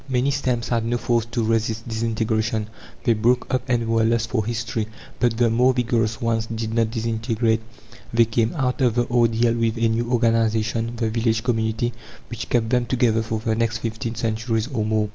Many stems had no force to resist disintegration: they broke up and were lost for history. But the more vigorous ones did not disintegrate. They came out of the ordeal with a new organization the village community which kept them together for the next fifteen centuries or more.